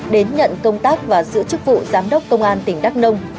đến nhận công tác và giữ chức vụ giám đốc công an tỉnh đắk nông